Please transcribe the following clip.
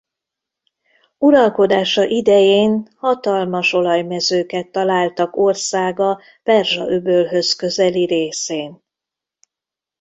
Uralkodása idején hatalmas olajmezőket találtak országa Perzsa-öbölhöz közeli részén.